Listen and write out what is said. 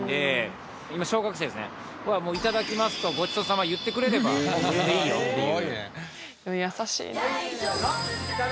今小学生は「いただきます」と「ごちそうさま」言ってくれればそれでいいよっていう。